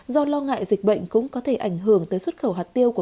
do lo ngại dịch bệnh cũng có thể ảnh hưởng tới xuất khẩu hạt tiêu